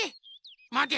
まて。